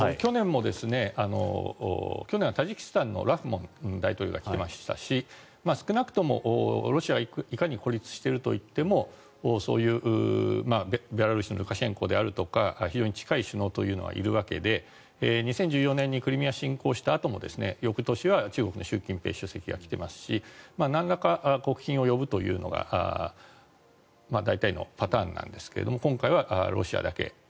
去年はタジキスタンの大統領が来てましたし少なくとも、ロシアがいかに孤立してるといってもそういうベラルーシのルカシェンコ大統領であるとか非常に近い首脳がいるわけで２０１４年にクリミア侵攻したあとも翌年は中国の習近平主席が来ていますしなんらか国賓を呼ぶというのが大体のパターンなんですが今回はロシアだけ。